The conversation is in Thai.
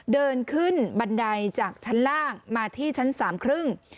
เดินขึ้นบันไดจากชั้นล่างมาที่ชั้นสามครึ่ง